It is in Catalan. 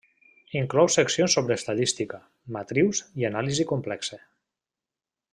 Inclou seccions sobre estadística, matrius i anàlisi complexa.